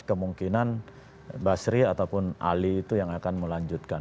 kemungkinan basri ataupun ali itu yang akan melanjutkan